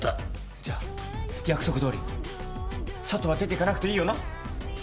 じゃあ約束どおり佐都は出ていかなくていいよな？